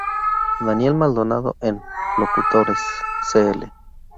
Daniel Maldonado en "Locutores.cl"